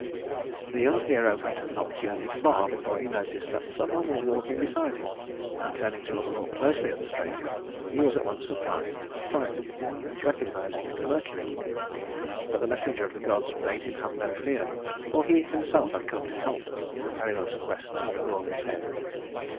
The young hero had not journeyed far before he noticed that some one was walking beside him, and, turning to look more closely at the stranger, he was at once surprised and frightened at recognizing Mercury. But the messenger of the gods bade him have no fear, for he himself had come to help in the perilous quest for the Gorgon's head.